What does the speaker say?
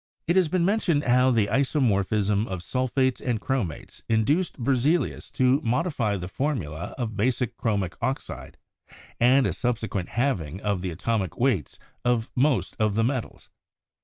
It has been mentioned how the isomorphism of sulphates and chromates induced Berzelius to modify the formula of basic chromic oxide and to a subsequent halving of the atomic weights of most of the metals.